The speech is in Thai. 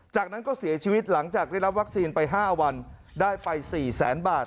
จากนั้นก็เสียชีวิตหลังจากได้รับวัคซีนไป๕วันได้ไป๔แสนบาท